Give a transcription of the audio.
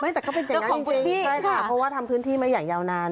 แต่ก็เป็นอย่างนั้นจริงใช่ค่ะเพราะว่าทำพื้นที่มาอย่างยาวนาน